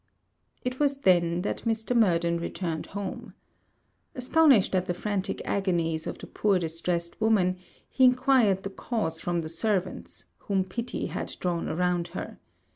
It was then that Mr. Murden returned home. Astonished at the frantic agonies of the poor distressed woman, he enquired the cause from the servants, whom pity had drawn around her.